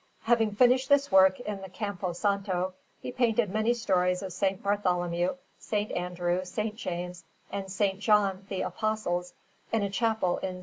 Having finished this work in the Campo Santo, he painted many stories of S. Bartholomew, S. Andrew, S. James, and S. John, the Apostles, in a chapel in S.